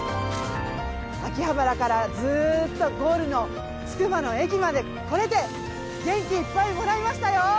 秋葉原からずっとゴールのつくばの駅まで来れて元気いっぱいもらいましたよ！